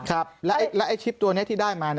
ครับแล้วไอ้ชิปตัวนี้ที่ได้มา